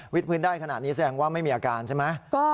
พื้นได้ขนาดนี้แสดงว่าไม่มีอาการใช่ไหม